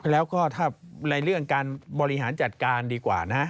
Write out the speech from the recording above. แล้วก็ถ้าในเรื่องการบริหารจัดการดีกว่านะ